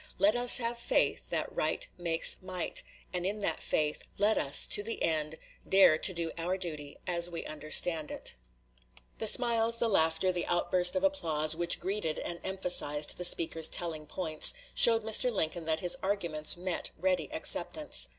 Let us have faith that right makes might, and in that faith, let us, to the end, dare to do our duty as we understand it. "New York Tribune," February 28, 1860. The smiles, the laughter, the outburst of applause which greeted and emphasized the speaker's telling points, showed Mr. Lincoln that his arguments met ready acceptance.